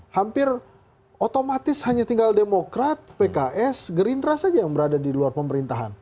hampir otomatis hanya tinggal demokrat pks gerindra saja yang berada di luar pemerintahan